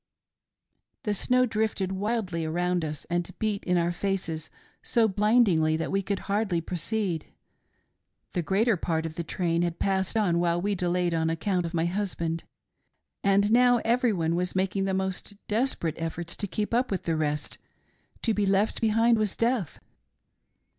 " The snow drifted wildly around us, and beat in our faces so blindingly that we could hardly proceed. The greater part of the train had passed on while we delayed on account of my husband, and now every one was ±aking the most desperate WATCHING AT NIGHT :— THE DYING AND THE DEAD. 229 efforts to keep up with the rest ; to be left behind was death.